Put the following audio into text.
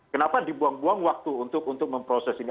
kenapa dibuang buang waktu untuk memproses ini